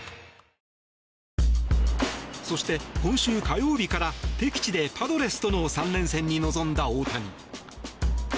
そして、今週火曜日から敵地でパドレスとの３連戦に臨んだ大谷。